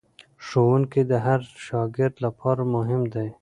ښوونکی د هر شاګرد لپاره مهم دی.